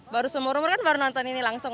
baru seumur umur kan baru nonton ini langsung